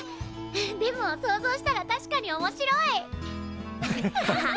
でも想像したら確かにおもしろい！